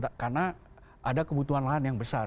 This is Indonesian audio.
karena ada kebutuhan lahan yang besar